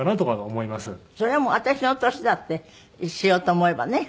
それは私の年だってしようと思えばね。